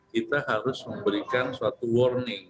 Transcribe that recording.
kita harus memberikan suatu warning